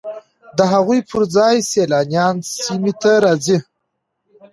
د هغوی پر ځای سیلانیان سیمې ته راځي